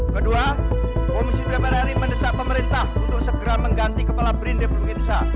kedua komisi tujuh hari ini mendesak pemerintah untuk segera mengganti kepala brin republik indonesia